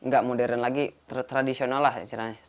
gak modern lagi tradisional lah istilahnya